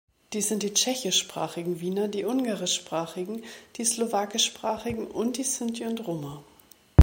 Dies sind die tschechisch-sprachigen Wiener, die ungarisch-sprachigen, die slowakisch-sprachigen und die Sinti und Roma.